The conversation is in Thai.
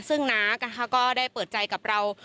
ซึ่งน้าก็ได้เปิดใจกับเรา